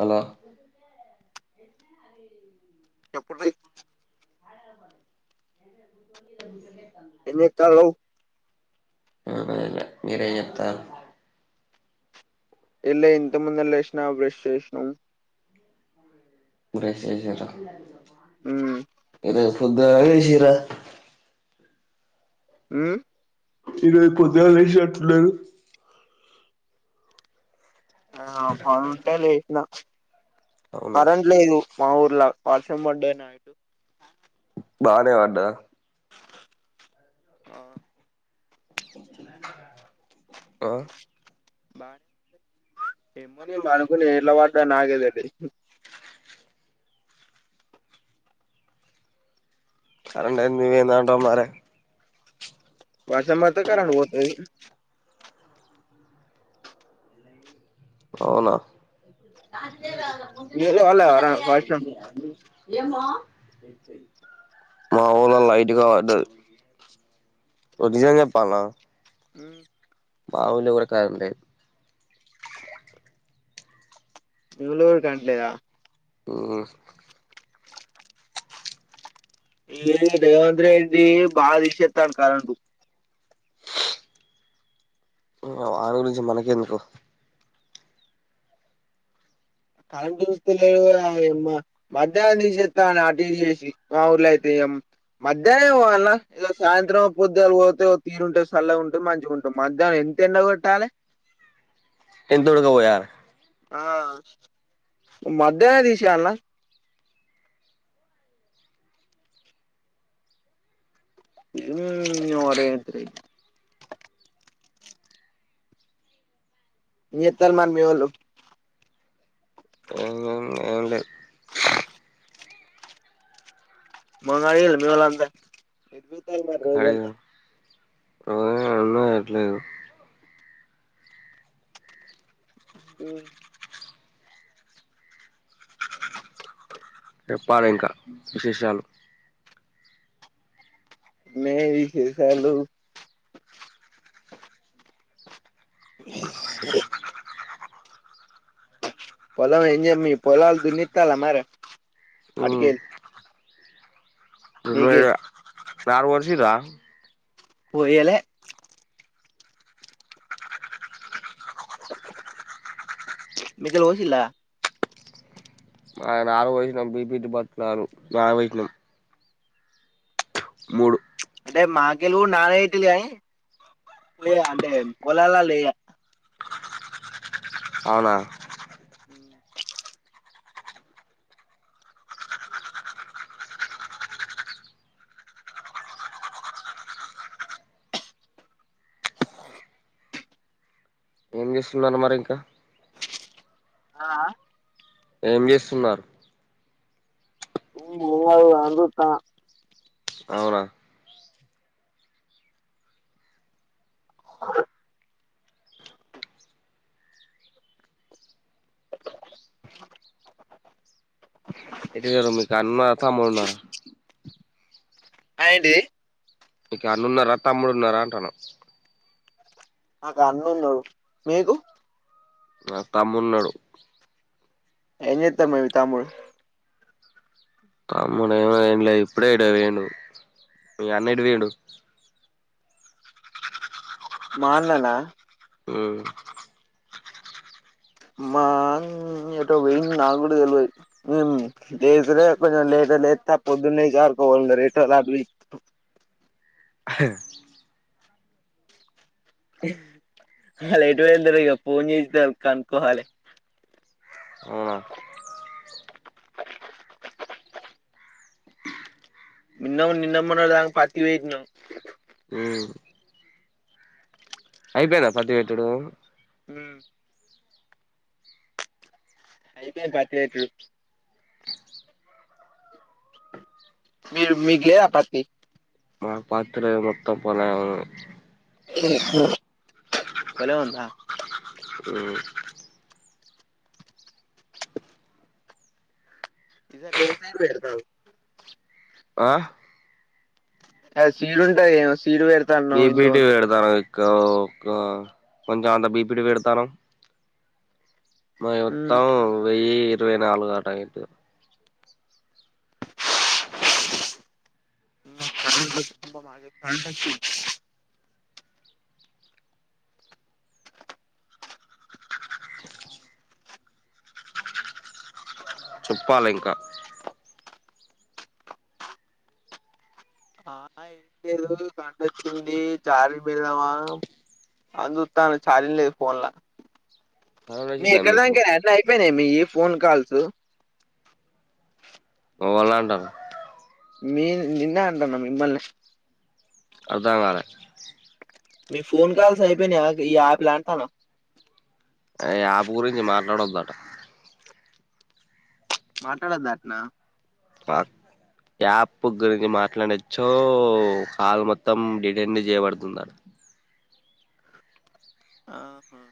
Hello చెప్పండి ఏం చేత్తాన్నవ్ ఏం చేయలే మీరేం చేత్తాన్లు. ఎల్లే ఇంతక్ ముందరే లేసిన బ్రష్ చేస్నం ఉమ్ [unintelligible] పొద్దుగాల చేసింరా మ్ ఈరోజు పొద్దుగాల లేసినట్టు ఉన్నరు. ఆ పంటే లేసిన అవునా కరెంట్ లేదు. మా ఊర్ల వర్షం పడ్డది నైట్ బానే వడ్డదా ఆ అ బానే ఏమో నేన్ పనుకునే ఎట్లా పడ్డదో నాకే తెలీదు కరెంట్ ఎందుక పోయింది అంటవ్ మరి వర్షం పడ్తే కరెంట్ పోతది. అవునా మీవోళ్ళు పడలేదా వర్షం మాఊర్ల లైట్గ పడ్డది. ఒకట్ నిజం చెప్పాల్నా మ్ మా ఊర్ల గుడా కరెంట్ లేద్ మీ ఊర్లో గుడా కరెంట్ లేదా మ్ ఈ రేవంత్ రెడ్డి బాగా తీసేస్తాండు కరెంటు వాని గురించి మనకేందుకు కరెంట్ చూస్తులే ఓరా యమ్మ మధ్యాహ్నం తీసేస్తాండు అటి ఇట్ చేసి మా ఊర్లైతే ఏ మధ్యానమే పోవాల్నా ఏదో సాయంత్రమో పొద్దుగాల పోతే తీరుంటది సల్లగుంటది మంచిగుంటం మధ్యాన ఎంత ఎండ కొట్టాలె ఎంత ఉడుక పోయాలె ఆ మధ్యాహ్న తీసేయాల్నా ఓ రేత్రి ఏం చేత్తారు మరి మీ వోళ్ళు ఏం ఉంది ఏం లేదు. మందు తాగిన్ర మీ వోళ్ళంతా ఆ అన్న అట్లేదు. మ్ చెప్పాలె ఇంకా విశేషాలు మే విశేషాలు అ పొలం ఏం జెమ్మి పొలాల్ దున్నిత్తాన్ల మరె మ్ మీకెళ్ళి దున్నియ్యలే నారు పోసింరా పోయలే మీ కెళ్ళి పోసిల్ల ఆ నారు పోసినాం బిపిటీ బత్తనారు వేసినం మూడు అంటే మాకెలుగు నానేయితులిగా లే అంటే పొలాల లేయా అవునా ఏం చేస్తున్నారు మరి ఇంకా ఆ ఏం చేస్తున్నారు అవు అని జూత్తన్న అవునా ఇది గద మీకన్న తమ్ముడు ఉన్నార అయింటి మీకు అన్ను ఉన్నారా తమ్ముడు ఉన్నారా అంటాన నాకు అన్న ఉన్నారు మీకు నా తమ్ము ఉన్నడు ఏం చేత్తాడు మీ తమ్ముడు తమ్ముడు ఏమి అన్లే ఇప్పుడే ఎటో వేండు మీ అన్న ఎటు పోయిండు మా అన్ననా ఉ మా అన్న ఎటో పోయేడు నాకుడ తెల్వదు లేసుడే కొంచం లేట్ లేత్త పొద్దున్నే [unintelligible] ఆల్లు ఎటు వోయింటారుగా ఫోన్ చేసిళ కనుక్కోవాలి వున నిన్న మొన్న నిన్న మొన్నటి దాక పత్తి పెట్టినమ్ ఉమ్ అయిపోయిందా పత్తి పెట్టుడు హు అయిపోయి పత్తి పెట్టుడు మీరూ మీకు లేదా పత్తి మా పత్తి లేదుమొత్తం పోలమే ఉంది పొలము ఉందా ఉ ఈసారి ఎందైనా పెడతావు ఆ అ చీలుంటాయి బిపిటి పెడతాను క్కో కొ కొంచెం అంతా బిపిటి పెడతాను మే మొత్తాం కరెంట్ వెయ్యి ఇరవై నాలుగు ఆట ఏంటిది [unintelligible] చెప్పాలి ఇంకా ఆ ఏం లేదు కంటొచ్చింది చారీ పెడదమా అని చూస్తున్న ఛార్జింగ్ లేదు ఫోన్లా మీ చదువుడొచ్చిందా ఎక్కడ మీకు దాంక అన్న అయిపోయినా మీ ఫోన్ కాల్స్ ఓళ్లా అంటారు మీ నిన్నే అంటున్నా మిమ్మల్ని. అర్థం కాలే. మీ ఫోన్ కాల్స్ అయిపోయినా ఈ యాప్లా అంటున్న. ఈ ఆప్ గురించి మాట్లాడోద్దంట. మాట్లాడొద్దంటానా. ఆహ్. ఈ యాప్ గురించి మాట్లాడినచో కాల్ మొత్తం డిటెండ్ చేయబడుతుందంటా. [inaudible] ఆహా.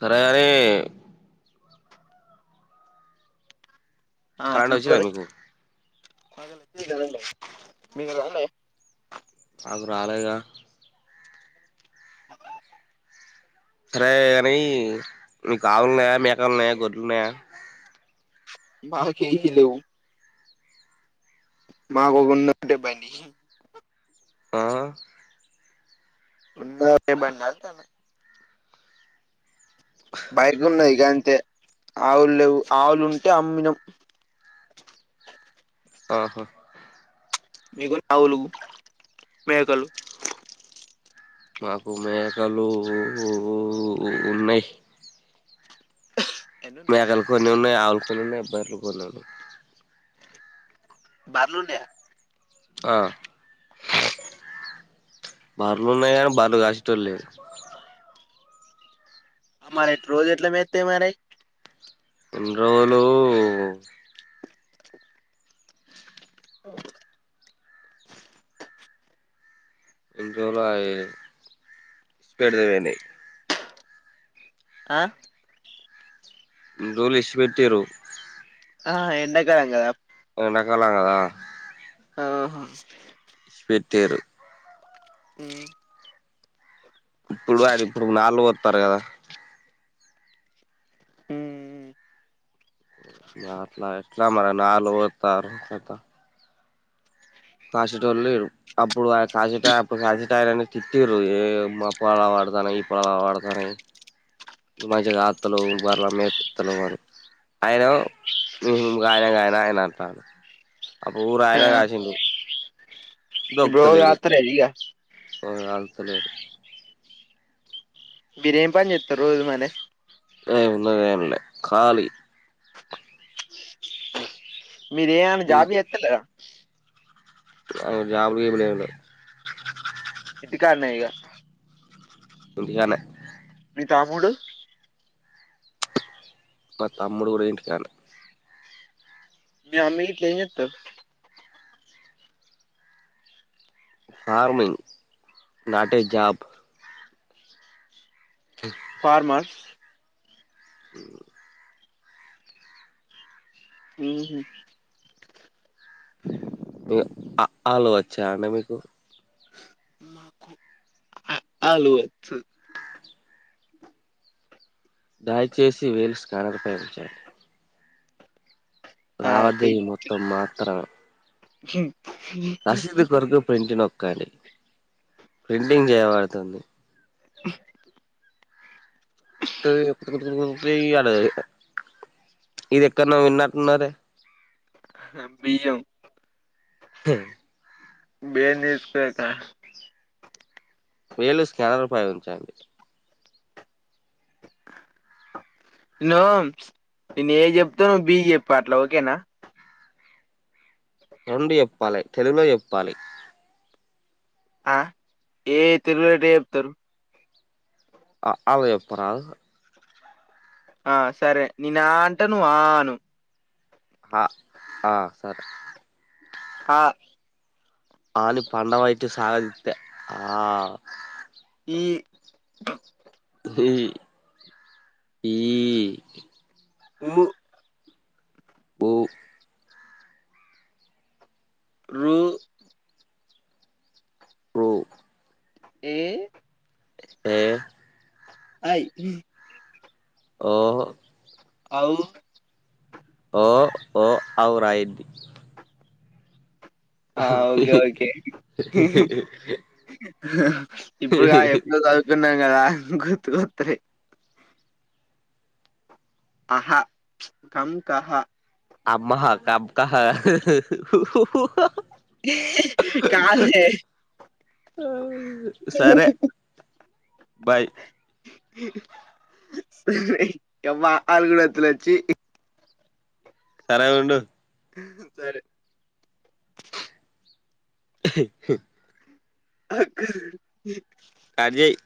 సరేగాని. కరెంటు వచ్చిందా మీకు. మాకు వచ్చింది కరెంటు మీకు రాలే. నాకు రాలేదుగా సరే కానీ మీకు ఆవులు ఉన్నాయా మేకలున్నాయా గొడ్లు ఉన్నాయా. మాకేమీ లేవు. మాకు ఉన్నది ఒకటే బండి. ఆహ్. ఉన్నది ఒకటే బండి అంటున్నా. బైకులు ఉన్నాయి కానీ. అంతే ఆవులు లేవు ఆవులు ఉంటే అమ్మినం. ఆహా. మీకు ఆవులు మేకలు. మాకు మేకలు ఉన్నాయి. ఎన్నున్నాయి మేకలు కొన్ని ఉన్నాయి ఆవులు కొన్ని ఉన్నాయి బర్రెలు కొన్ని ఉన్నాయి. బర్లు ఉన్నాయి. ఆహ్. బార్లు ఉన్నాయ కానీ బార్లు కాసెటోలు లేరు. అ మరి రోజు ఎట్లా మేస్తాయి మరి. ఇన్ని రోజులు. ఆహ్. ఇంట్లో బాయ్ అవి స్పీడ్వనాయి. ఆహ్. ఇన్ని రోజులు విడిచి పెట్టిండ్రు. ఆహ్ ఎండకాలం కదా. ఎండాకాలం కదా. ఆహా. పెట్టిండ్రు. ఉమ్. ఇప్పుడు అది ఇప్పుడు నాలుగు వోస్తారు కదా. ఉమ్. ఆహ్ ఎట్లా మరి నాలుగు వోతారు కదా. కాసేటోళ్ళు లేరు అప్పుడు కాసేటై కాసేటైనను తిట్టిండ్రు ఏం [unintelligible] వాడతా ఇప్పుడులా వాడతానే మంచిగా తాగుత్తలేవు బరలా మేపుత్తలేవు. అయన ఉమ్ మగాయనం గాయన అయన అంటాంను. ఆహ్ ఊరు ఆ ఆయన కాసిండు. ఇప్పుడు ఎవరు కాస్త లేరు ఇగ. అల్ తలేదు మీరేం పని చెత్తర్ రోజు మరే ఏమున్నది ఎం లే కాళీ మీరేమన్న జాబ్ చెత్తలేరా అ జాబ్ లు గిబులు ఎం లెవ్ గాన్నే ఇగ ఇంటికాన్నే తామూడు మా తమ్ముడు కూడా ఇంటికాన్నే మీ అన్న గిట్ల ఏం చేత్తరు ఫార్మింగ్ నాటే జాబ్ ఫార్మర్ మ్ మ్ హు తో అ ఆ లు వచ్చా అండి మీకు మాకు ఆఅలు వచ్చు దయచేసి వేల్స్ కన [unintelligible] ఆ లావాదేవి మొత్తం మాత్రమే హు రసీదు కొరకు ప్రింట్ నోక్కండి ప్రింటింగ్ చేయబడుతుంది గాదె చెప్తున్నాం నువ్వే ఇయ్యలే కదా ఇక ఇది ఎక్కన్నో విన్నట్టున్నారే బియ్యం మ్ బియ్యం తీసుకెళ్తా వేళ్లు స్కనర్ ఉపయోగించండి ను నేను ఏ చెప్తా ను్వు బి చెప్పు అట్లా ఓకేనా రెండు చెప్పాలే తెలుగులో చెప్పాలి ఆ ఏ తెలుగులో ఎట్ట చెప్తారు అఆలు చేప్పురాదు ఆ సరే నేను ఆ అంటే నువ్వు ఆ ఆను అ ఆ సరే ఆ అ అని పండబెట్టి సాగదితే ఆ ఇ ఇ ఈ ఉ ఊ రు ఋ ఎ ఏ ఐ ఇ ఒహొ ఆవ్ ఒ ఓ ఔ రాయిద్ది ఆ ఓకె ఓకే ఇప్పుడు కాదు ఎప్పుడో చదువుకున్నం కదా గుర్తుకొతున్నయ్ అహ కం కహ అం అః కం కః కాదు కాదె ఊ సరే బాయ్ ఉహ్ ఎంకమ్మ హల్లులు ఒత్తులు అచ్చి సరే వుండు ఉహు సరే [inaudible] అహ కట్ జెయ్